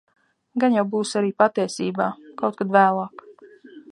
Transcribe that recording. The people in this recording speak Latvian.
Gan jau būs arī patiesībā. Kaut kad vēlāk.